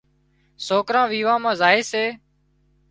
سوڪران ويوان مان زائي سي